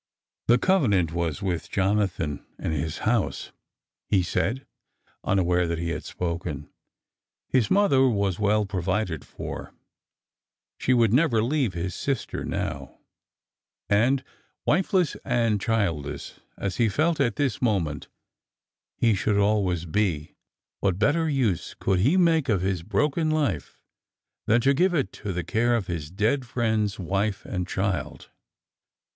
" The covenant was with Jonathan and his house," he said, unaware that he had spoken. ... His mother was well provided for— she would never leave his sister now'; and— wifeless and childless as he felt at this moment he should always be — what better use could he make of his broken life than to give it to the care of his dead friend's wife and child?